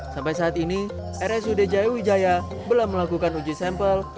sampai saat ini rsud jaya wijaya belum melakukan uji sampel